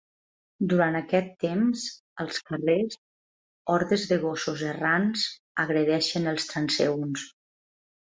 Durant aquest temps, als carrers, hordes de gossos errants agredeixen els transeünts.